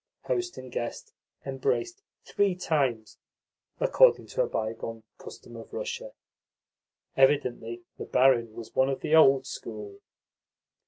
Host and guest embraced three times, according to a bygone custom of Russia. Evidently the barin was one of the old school.